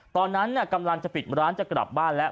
ตอนนั้นกำลังจะปิดร้านจะกลับบ้านแล้ว